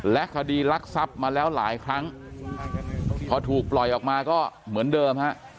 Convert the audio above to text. และคดีรักทรัพย์มาแล้วหลายครั้งพอถูกปล่อยออกมาก็เหมือนเดิมฮะ